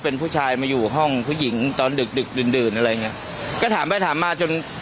เป็นผู้ชายมาอยู่ห้องผู้หญิงตอนดึกดึกดื่นดื่นอะไรอย่างเงี้ยก็ถามไปถามมาจน